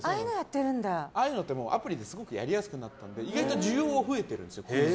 ああいうのってアプリですごくやりやすくなって需要は増えてるんです。